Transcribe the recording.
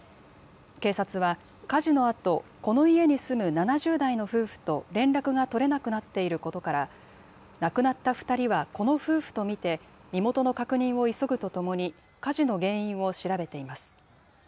警察は、火事のあと、この家に住む７０代の夫婦と連絡が取れなくなっていることから、亡くなった２人はこの夫婦と見て、身元の確認を急ぐとともに、火事の原因を調べています。